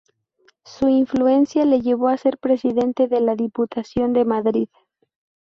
Su influencia le llevó a ser Presidente de la Diputación de Madrid.